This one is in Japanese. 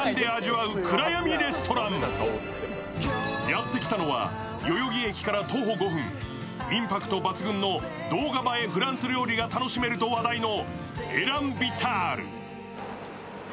やってきたのは、代々木駅から徒歩５分、インパクト抜群の動画映えフランス料理が楽しめると話題のｅｌａｎｖｉｔａｌ。